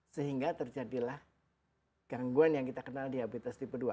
sehingga terjadilah gangguan yang kita kenal diabetes tipe dua